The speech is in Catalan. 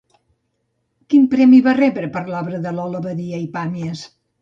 Quin premi va rebre per l'Obra de Lola Badia i Pàmies?